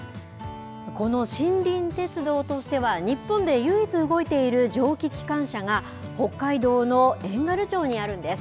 この森林鉄道としては日本で唯一動いている蒸気機関車が、北海道の遠軽町にあるんです。